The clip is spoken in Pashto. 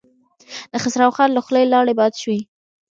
د خسرو خان له خولې لاړې باد شوې.